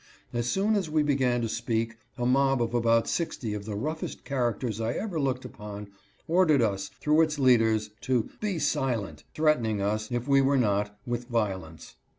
As soon as we began to speak a mob of about sixty of the roughest characters I ever looked upon ordered us, through its leaders, to " be silent," threatening us, if we were not, with violence.